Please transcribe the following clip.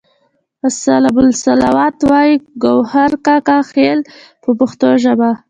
السلام والصلوات وایي ګوهر کاکا خیل په پښتو ژبه.